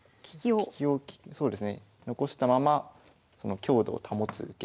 利きをそうですね残したままその「強度を保つ受け」。